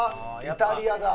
「イタリアだ」